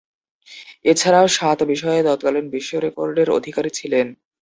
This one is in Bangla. এছাড়াও সাত বিষয়ে তৎকালীন বিশ্বরেকর্ডের অধিকারী ছিলেন।